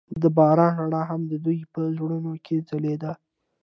د باران رڼا هم د دوی په زړونو کې ځلېده.